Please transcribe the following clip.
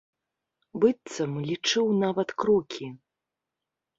Быццам лічыў нават крокі.